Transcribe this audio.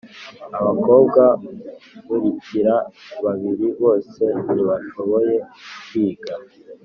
abakobwa nkurikira babiri bose ntibashoboye kwiga